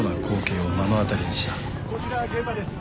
こちら現場です。